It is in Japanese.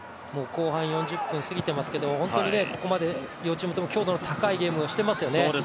後半４０分、もう過ぎてますけど本当にここまで両チームとも強度の高いゲームをしてますね。